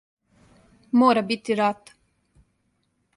Мора бити рата.